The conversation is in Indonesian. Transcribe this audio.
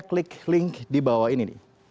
klik link di bawah ini